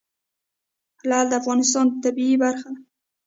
لعل د افغانستان د طبیعت برخه ده.